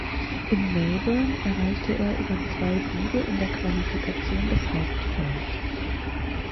In Melbourne erreichte er über zwei Siege in der Qualifikation das Hauptfeld.